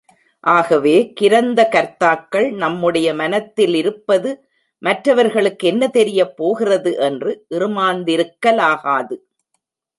ஆகவே, கிரந்த கர்த்தாக்கள் நம்முடைய மனத்திலிருப்பது மற்றவர்களுக்கு என்ன தெரியப் போகிறது? என்று இறுமாந்திருக்கலாகாது!